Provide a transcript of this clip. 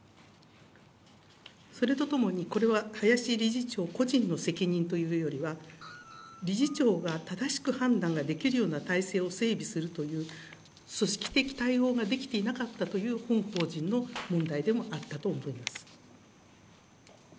それとともに、これは林理事長個人の責任というよりは、理事長が正しく判断ができるような体制を整備するという、組織的対応ができていなかったという本法人の問題でもあったと思います。